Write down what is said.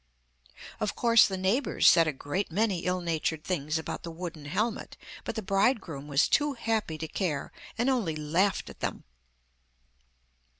Of course the neighbours said a great many ill natured things about the wooden helmet, but the bridegroom was too happy to care, and only laughed at them.